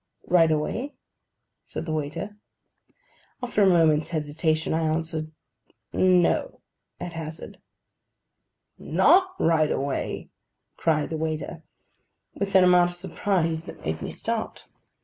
'Right away?' said the waiter. After a moment's hesitation, I answered 'No,' at hazard. 'Not right away?' cried the waiter, with an amount of surprise that made me start.